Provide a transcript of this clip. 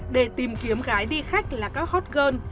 để tìm kiếm gái đi khách là các hot girl